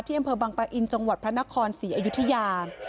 อำเภอบังปะอินจังหวัดพระนครศรีอยุธยา